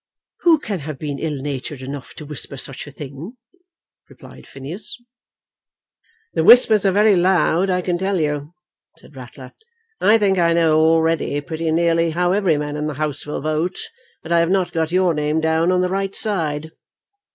"Who can have been ill natured enough to whisper such a thing?" replied Phineas. "The whispers are very loud, I can tell you," said Ratler. "I think I know already pretty nearly how every man in the House will vote, and I have not got your name down on the right side."